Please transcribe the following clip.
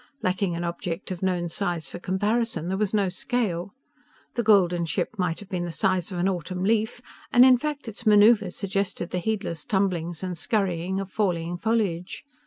Lacking an object of known size for comparison, there was no scale. The golden ship might have been the size of an autumn leaf, and in fact its maneuvers suggested the heedless tumblings and scurrying of falling foliage.